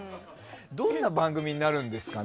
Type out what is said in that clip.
どんな番組になるんですかね？